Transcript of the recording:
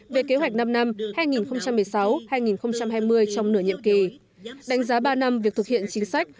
về kế hoạch năm năm hai nghìn một mươi sáu hai nghìn hai mươi trong nửa nhiệm kỳ đánh giá ba năm việc thực hiện chính sách